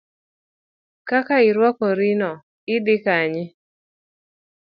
Kaka irwakorino ni dhi kanye.